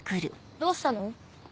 どうしたの？